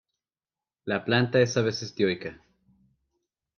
La planta es a veces dioica.